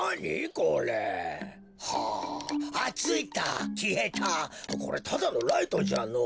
これただのライトじゃのぉ。